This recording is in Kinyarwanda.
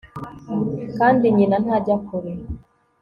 Kandi nyina ntajya kure